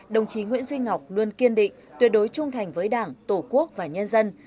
đồng chí nguyễn duy ngọc luôn kiên định tuyệt đối trung thành với đảng tổ quốc và nhân dân